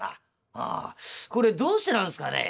「ああこれどうしてなんすかね？」。